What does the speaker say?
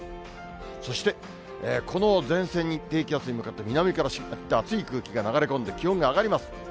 そして、この前線に低気圧に向かって南から湿った暑い空気が流れ込んで気温が上がります。